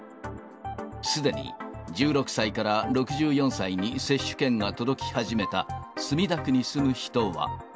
すでに１６歳から６４歳に接種券が届き始めた墨田区に住む人は。